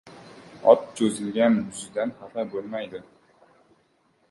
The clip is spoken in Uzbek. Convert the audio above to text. • Ot cho‘zilgan yuzidan xafa bo‘lmaydi.